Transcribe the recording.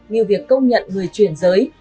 nhiều việc công nhận người truyền giới